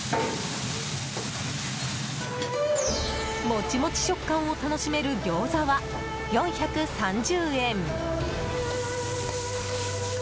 モチモチ食感を楽しめるギョーザは、４３０円。